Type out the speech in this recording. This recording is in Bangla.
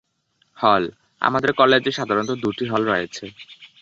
হলঃ আমাদের কলেজে সাধারণত দুটি হল রয়েছে।